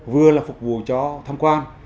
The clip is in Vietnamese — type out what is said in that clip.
vừa là phục vụ cho tham quan